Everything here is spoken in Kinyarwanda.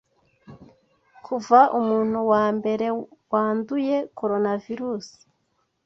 Kuva umuntu wa mbere wanduye coronavirusi